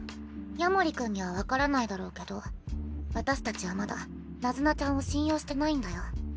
夜守君には分からないだろうけど私たちはまだナズナちゃんを信用してないんだよ。